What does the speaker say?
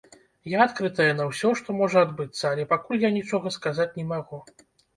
Я адкрытая на ўсё, што можа адбыцца, але пакуль я нічога сказаць не магу.